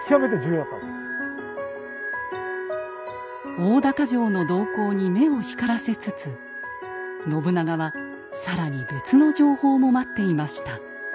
大高城の動向に目を光らせつつ信長は更に別の情報も待っていました。